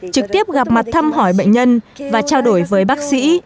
trực tiếp gặp mặt thăm hỏi bệnh nhân và trao đổi với bác sĩ